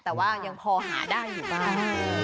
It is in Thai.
แต่ว่ายังพอหาได้อยู่บ้าง